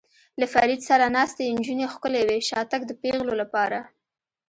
له فرید سره ناستې نجونې ښکلې وې، شاتګ د پېغلو لپاره.